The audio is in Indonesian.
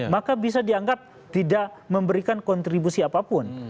maka bisa dianggap tidak memberikan kontribusi apapun